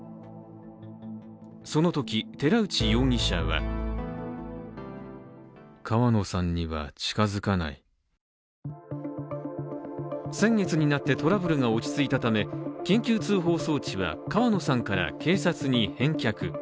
そのとき、寺内容疑者は先月になってトラブルが落ち着いたため緊急通報装置は川野さんから警察に返却。